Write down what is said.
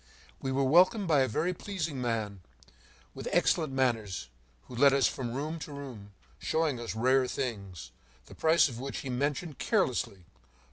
We were welcomed by a very pleasing man, with excellent manners, who led us from room to room, showing us rare things, the price of which he mentioned carelessly.